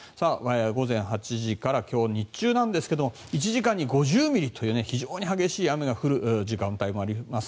午前８時から今日日中なんですが１時間に５０ミリという非常に激しい雨が降る時間帯もあります。